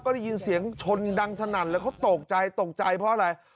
ได้ยินเสียงชนดังสนั่นแล้วเขาตกใจตกใจเพราะอะไร